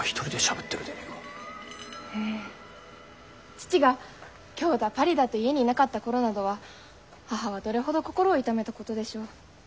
父が京だパリだと家にいなかった頃などは母はどれほど心を痛めたことでしょう。